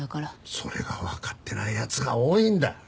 それが分かってないやつが多いんだ。